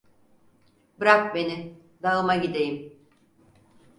Bırak beni dağıma gideyim!